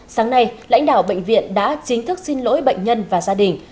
sáng nay lãnh đạo bệnh viện đã chính thức xin lỗi bệnh nhân và gia đình